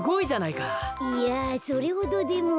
いやそれほどでも。